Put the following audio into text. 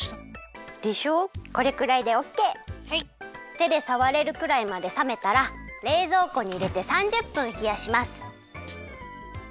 てでさわれるくらいまでさめたられいぞうこにいれて３０分ひやします。